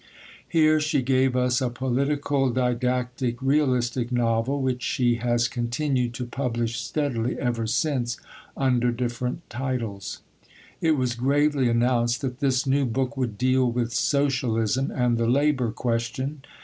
Here she gave us a political didactic realistic novel, which she has continued to publish steadily ever since under different titles. It was gravely announced that this new book would deal with socialism and the labour question.